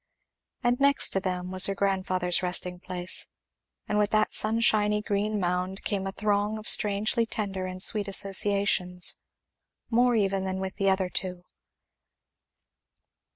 And next to them was her grandfather's resting place; and with that sunshiny green mound came a throng of strangely tender and sweet associations, more even than with the other two.